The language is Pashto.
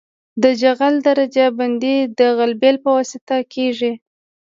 د جغل درجه بندي د غلبیل په واسطه کیږي